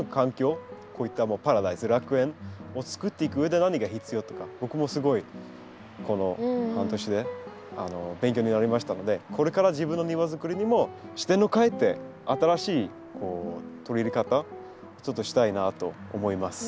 こういったパラダイス楽園を作っていくうえで何が必要とか僕もすごいこの半年で勉強になりましたのでこれから自分の庭作りにも視点を変えて新しい取り入れ方ちょっとしたいなと思います。